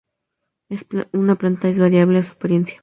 Es una planta es variable en su apariencia.